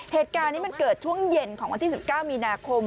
เหตุการณ์นี้มันเกิดช่วงเย็นของวันที่๑๙มีนาคม